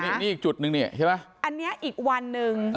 นี่อีกจุดนึงนี่ใช่ไหมอันนี้อีกวันหนึ่ง